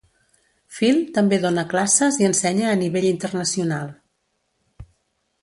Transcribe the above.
Phil també dóna classes i ensenya a nivell internacional.